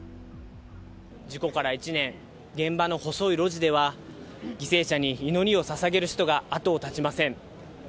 事故から１年、現場の細い路地では、犠牲者に祈りをささげる人が後を絶ちません。